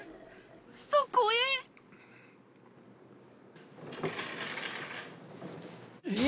そこへえ！